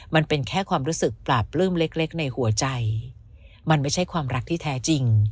มันเป็นแค่ความรู้สึกปราบปลื้มเล็กในหัวใจมันไม่ใช่ความรักที่แท้จริง